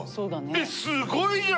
えすごいじゃん！